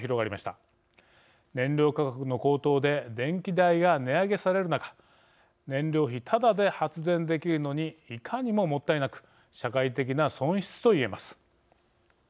燃料価格の高騰で電気代が値上げされる中燃料費ただで発電できるのにいかにももったいなく社会的な損失と言えます。